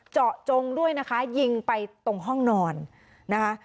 เจาะจงด้วยนะคะยิงไปตรงห้องนอนนะคะ